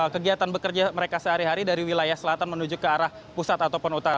kegiatan bekerja mereka sehari hari dari wilayah selatan menuju ke arah pusat ataupun utara